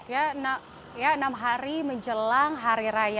ya enam hari menjelang hari raya